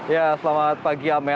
ya selamat pagi amel